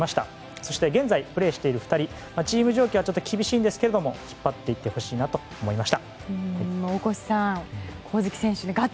そして現在プレーしている２人チーム状況は厳しいですが引っ張っていってほしいと大越さん、上月選手ガッツ